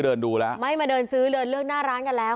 เดินดูแล้วไม่มาเดินซื้อเดินเลือกหน้าร้านกันแล้ว